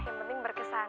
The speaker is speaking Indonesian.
yang penting berkesan